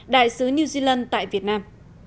đại sứ new zealand tại việt nam